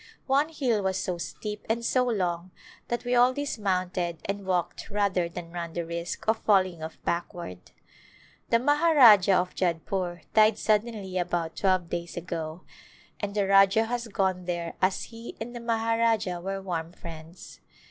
One hill was so steep and so long that we all dismounted and walked rather than run the risk of falling off backward. The Maharajah of Jodhpore died suddenly about twelve days ago and the Rajah has gone there as he and the Maharajah were warm friends.